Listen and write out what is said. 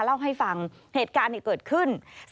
เล่าให้ฟังเหตุการณ์เกิดขึ้น